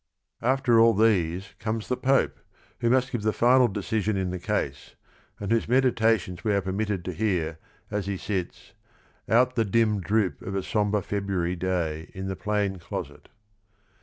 24 THE RING AND THE BOOK After all these comes the Pope, who must give the final decision in the case, and whose medi tations we are permitted to hear as he sits "out the dim Droop of a sombre February day In the plain closet."